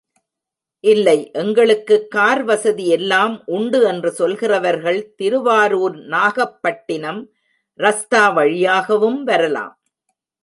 இல்லை, எங்களுக்குக் கார் வசதி எல்லாம் உண்டு என்று சொல்கிறவர்கள் திருவாரூர் நாகப்பட்டினம் ரஸ்தா வழியாகவும் வரலாம்.